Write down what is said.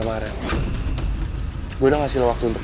tuhan gmail lemari vemang